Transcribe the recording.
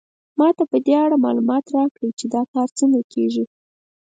ما ته په دې اړه معلومات راکړئ چې دا کار څنګه کیږي